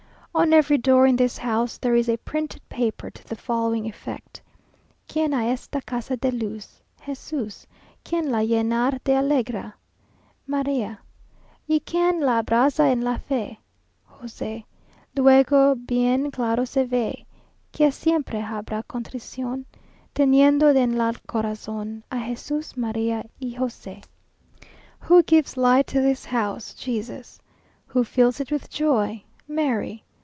On every door in this house there is a printed paper to the following effect: "Quien á esta casa da luz? Jesús. Quien la llena de alegria? María. Y quien la abraza en la fé? José. Luego bien claro se vé Que siempre habra contrición, Teniendo en la corazón, A Jesús, María, y José." "Who gives light to this house? Jesús. Who fills it with joy? Mary.